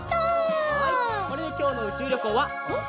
はいこれできょうのうちゅうりょこうはおしまい！